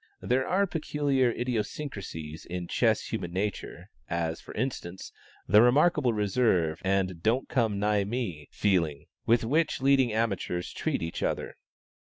There are peculiar idiosyncrasies in chess human nature, as, for instance, the remarkable reserve and "don't come nigh me" feeling with which leading amateurs treat each other.